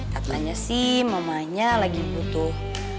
karenanya sih mamanya lagi butuh